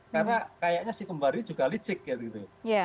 karena kayaknya si kembar ini juga licik gitu